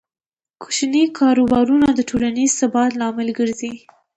کوچني کاروبارونه د ټولنیز ثبات لامل ګرځي.